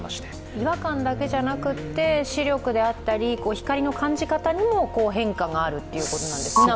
違和感だけでなくて視力であったり光の感じ方にも変化があるということですね。